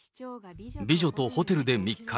美女とホテルで密会。